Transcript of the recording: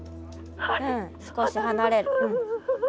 うん少し離れる。